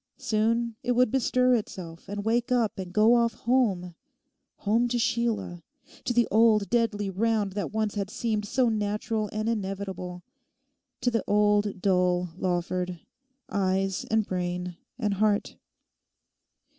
Soon it would bestir itself and wake up and go off home—home to Sheila, to the old deadly round that once had seemed so natural and inevitable, to the old dull Lawford—eyes and brain and heart.